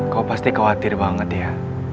kau pasti khawatir banget ya